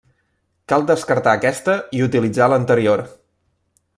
Cal descartar aquesta i utilitzar l'anterior.